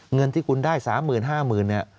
เงินที่คุณได้๓๕๐๐๐เนี่ย